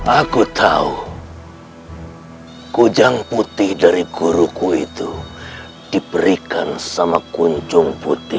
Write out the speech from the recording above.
aku akan membunuhmu dengan tanganku sendiri